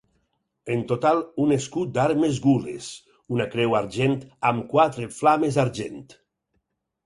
En total, un escut d'armes gules, una creu argent amb quatre flames argent.